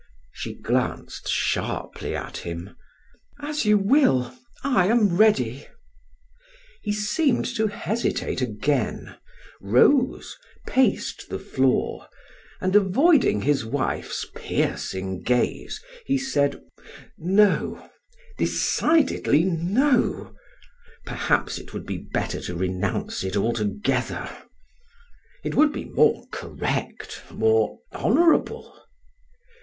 She glanced sharply at him: "As you will. I am ready." He seemed to hesitate again, rose, paced the floor, and avoiding his wife's piercing gaze, he said: "No decidedly no perhaps it would be better to renounce it altogether it would be more correct more honorable.